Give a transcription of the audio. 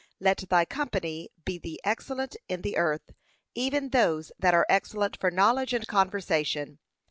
Let thy company be the excellent in the earth even those that are excellent for knowledge and conversation.